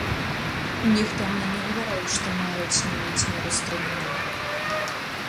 Ніхто мне не гаварыў, што маюць змяніць меру стрымання.